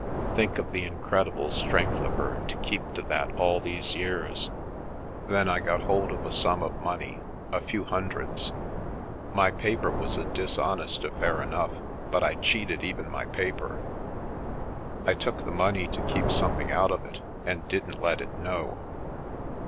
Think of the incredible strength of her to keep to that all these years. Then I got hold of a sum of money — a few hundreds. My paper was a dishonest af fair enough, but I cheated even my paper — I took the money to keep something out of it and didn't let it know.